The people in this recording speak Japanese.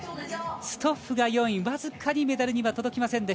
ストッフが４位と僅かにメダルには届かず。